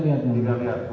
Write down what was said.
tidak lihat kemudian